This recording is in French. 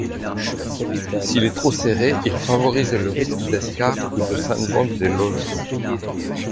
S'il est trop serré, il favorise le risque d'escarre ou de syndrome des loges.